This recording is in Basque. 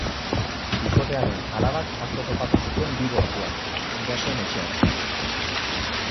Bikotearen alabak atzo topatu zituen bi gorpuak, gurasoen etxean.